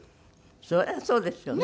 そりゃそうですよね。